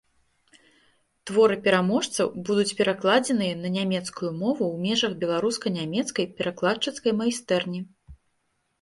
Творы пераможцаў будуць перакладзеныя на нямецкую мову ў межах беларуска-нямецкай перакладчыцкай майстэрні.